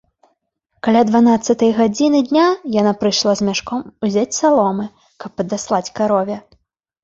Каля дванаццатай гадзіны дня яна прыйшла з мяшком узяць саломы, каб падаслаць карове.